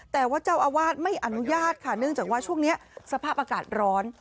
แต่ว่าเจ้าอาวาสไม่อนุญาตค่ะเนื่องจากว่าช่วงนี้สภาพอากาศร้อน